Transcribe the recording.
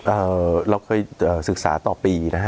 เอ่อเราเคยศึกษาต่อปีนะฮะ